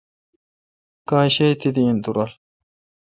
کاں شہ اؘ تیدی این تو رل۔